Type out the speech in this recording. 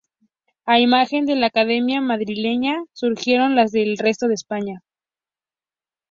A imagen de la Academia madrileña surgieron las del resto de España.